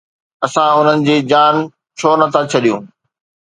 اسان انهن جي جان ڇو نه ٿا ڇڏيون؟